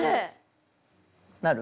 なる！